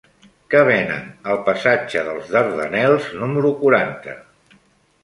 Què venen al passatge dels Dardanels número quaranta?